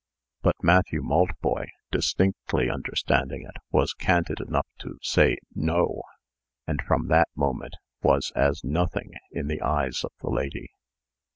But Matthew Maltboy, distinctly understanding it, was candid enough to say "No," and from that moment was as nothing in the eyes of the lady.